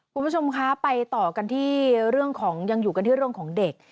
คุณผู้ชมคะไปต่อกันที่เรื่องของยังอยู่กันที่เรื่องของเด็ก